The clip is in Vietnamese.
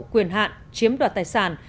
quyền hạn chiếm đoạt tài sản